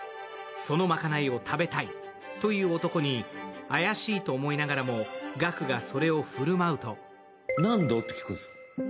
その賄いを食べたいと言う男に怪しいと思いながらも、岳がそれを振る舞うと何度？って聞くんです。